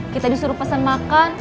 kita disuruh pesan makan